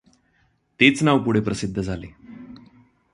तेच नाव पुढे प्रसिद्ध झाले.